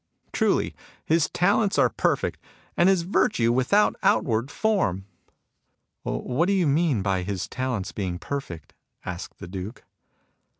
Truly his talents are perfect, and his virtue without outward form !" ''What do you mean by his talents being perfect ?" asked the Duke.